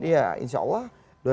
ya insya allah